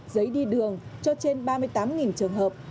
giấy đi đường cho trên ba mươi tám trường hợp